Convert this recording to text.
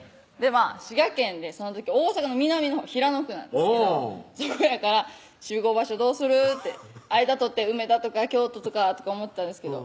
まぁ滋賀県でその時大阪の南のほう平野区なんですけどそうやから「集合場所どうする？」って間取って梅田とか京都とか思ってたんですけど